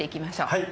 はい。